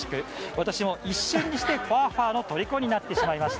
私も一瞬にしてファーファーのとりこになってしまいました。